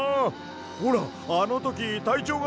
ほらあのときたいちょうが。